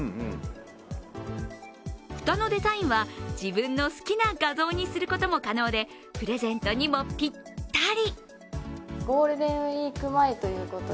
蓋のデザインは自分の好きな画像にすることも可能でプレゼントにもぴったり。